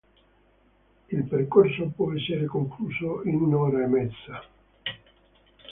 Il percorso può essere concluso in un'ora e mezza.